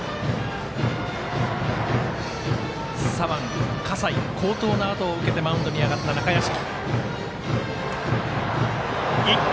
左腕、葛西の好投のあとを受けてマウンドに上がった中屋敷。